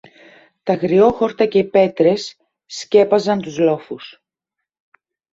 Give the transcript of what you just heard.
Τ' αγριόχορτα και οι πέτρες σκέπαζαν τους λόφους